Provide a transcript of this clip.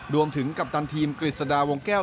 รวมถึงกัปตันทีมกฤษฎาวงแก้ว